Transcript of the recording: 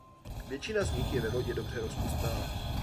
Většina z nich je ve vodě dobře rozpustná.